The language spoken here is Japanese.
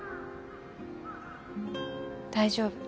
大丈夫。